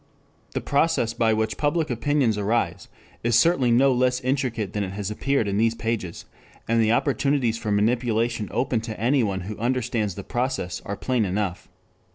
The process by which public opinions arise is certainly no less intricate than it has appeared in these pages, and the opportunities for manipulation open to anyone who understands the process are plain enough.